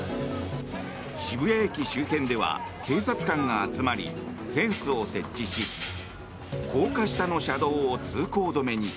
渋谷駅周辺では警察官が集まりフェンスを設置し高架下の車道を通行止めに。